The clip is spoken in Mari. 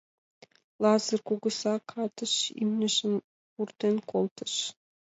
Лазыр кугыза катыш имньыжым пуртен колтыш.